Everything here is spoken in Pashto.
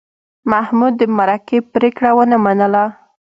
محمود د مرکې پرېکړه ونه منله.